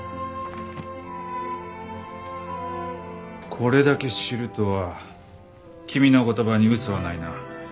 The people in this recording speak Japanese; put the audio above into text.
これだけ知るとは君の言葉に嘘はないな。